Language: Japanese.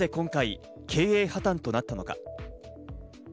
なぜ今回、経営破綻となったのか？